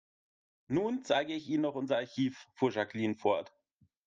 Nun zeige ich Ihnen noch unser Archiv, fuhr Jacqueline fort.